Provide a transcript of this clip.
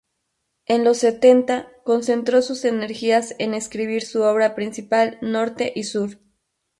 En los setenta concentró sus energías en escribir su obra principal "Norte y Sur".